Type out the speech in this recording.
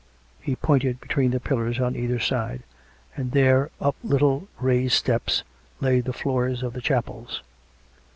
He pointed between the pillars on either side, and there, up little raised steps, lay the floors of the chapels.